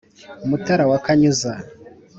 mutara wa kanyuza